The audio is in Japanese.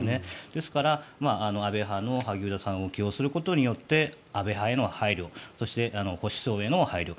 ですから、安倍派の萩生田さんを起用することによって安倍派への配慮そして保守層への配慮。